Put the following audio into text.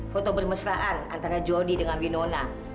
foto bermesraan antara jody dengan winona